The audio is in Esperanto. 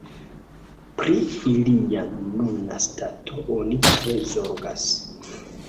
Pri ilia nuna stato oni tre zorgas.